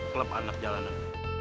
klub anak jalanan